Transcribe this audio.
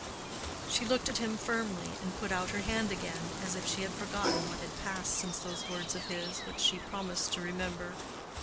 She looked at him firmly, and put out her hand again as if she had forgotten what had passed since those words of his which she promised to remember.